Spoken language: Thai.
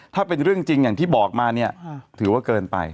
ถ้าเป็นเรื่องจริงอย่างที่บอกมาเนี่ยถือว่าเกินไป